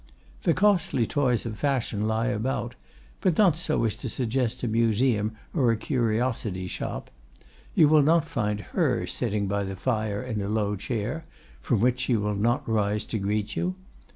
The costly toys of fashion lie about, but not so as to suggest a museum or a curiosity shop. You will find her sitting by the fire in a low chair, from which she will not rise to greet you.